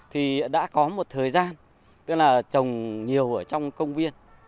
thì đã có một thời gian tức là trồng nhiều ở trong công viên